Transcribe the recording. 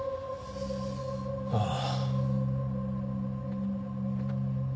ああ。